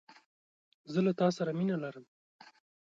زه له تاسره مینه لرم